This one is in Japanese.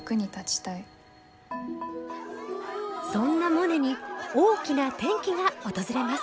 そんなモネに大きな転機が訪れます！